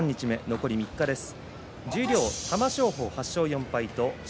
残り３日です。